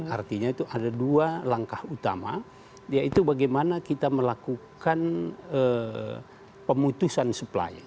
artinya itu ada dua langkah utama yaitu bagaimana kita melakukan pemutusan supply